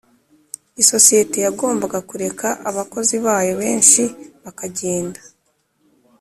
isosiyete yagombaga kureka abakozi bayo benshi bakagenda.